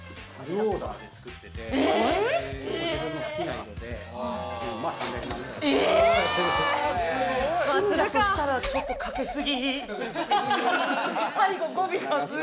趣味だとしたらちょっとかけすぎ。